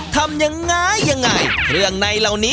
ทำยังไงเครื่องใน